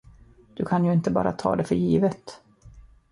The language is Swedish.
Du kan ju inte bara ta det för givet.